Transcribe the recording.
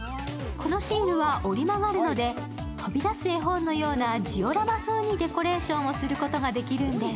このシールは折れ曲がるので飛び出す絵本のようなジオラマ風にデコレーションすることができるんです。